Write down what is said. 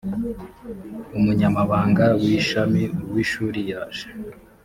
umunyamabanga w ishami uw ishuri yaje